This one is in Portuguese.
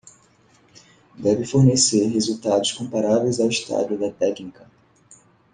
Deve fornecer resultados comparáveis ao estado da técnica.